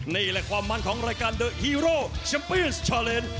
นี่แหละความมั่นของรายการเดอะฮีโร่แชมเปญสชาเลน